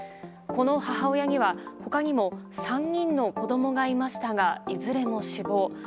この母親には他にも３人の子供がいましたがいずれも死亡。